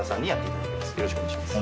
よろしくお願いします。